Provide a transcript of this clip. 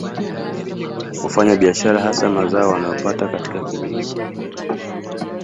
Hufanya biashara hasa ya mazao wanayo pata katika kilimo